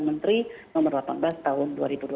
menteri nomor delapan belas tahun dua ribu dua puluh